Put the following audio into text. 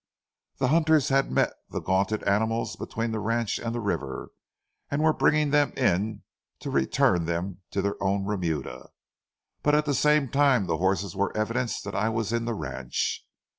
The hunters had met the gaunted animals between the ranch and the river, and were bringing them in to return them to their own remuda. But at the same time the horses were evidence that I was in the ranch.